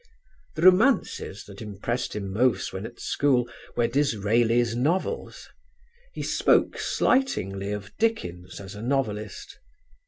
"The romances that impressed him most when at school were Disraeli's novels. He spoke slightingly of Dickens as a novelist....